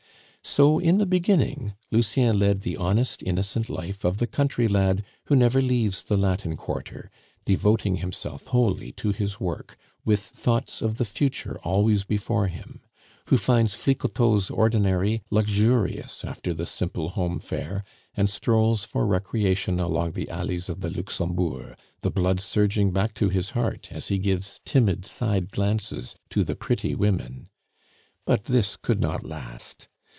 So in the beginning Lucien led the honest, innocent life of the country lad who never leaves the Latin Quarter; devoting himself wholly to his work, with thoughts of the future always before him; who finds Flicoteaux's ordinary luxurious after the simple home fare; and strolls for recreation along the alleys of the Luxembourg, the blood surging back to his heart as he gives timid side glances to the pretty women. But this could not last.